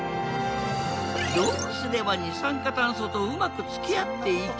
どうすれば二酸化炭素とうまくつきあっていけるか。